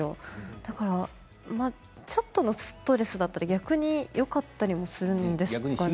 だから、ちょっとストレスだったら逆によかったりもするんですかね。